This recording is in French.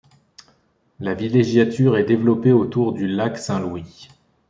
La villégiature est développée autour du lac Saint-Louis.